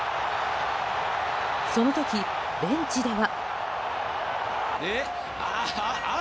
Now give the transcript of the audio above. その時、ベンチでは。